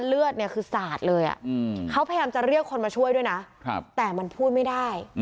เลือดเนี่ยคือสาดเลยเขาพยายามจะเรียกคนมาช่วยด้วยนะแต่มันพูดไม่ได้